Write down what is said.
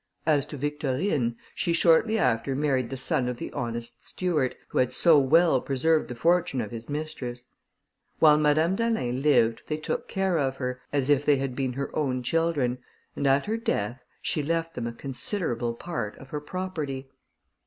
As to Victorine, she shortly after married the son of the honest steward, who had so well preserved the fortune of his mistress. While Madame d'Alin lived, they took care of her, as if they had been her own children, and at her death, she left them a considerable part of her property.